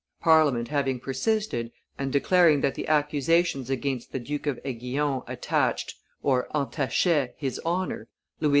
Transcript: Parliament having persisted, and declaring that the accusations against the Duke of Aiguillon attached (entachaient) his honor, Louis XV.